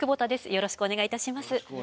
よろしくお願いします。